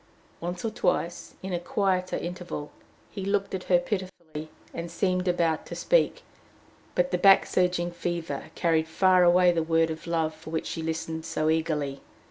Once or twice, in a quieter interval, he looked at her pitifully, and seemed about to speak; but the back surging fever carried far away the word of love for which she listened so eagerly.